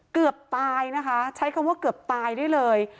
เกือบตายนะคะใช้คำว่าเกือบตายได้เลย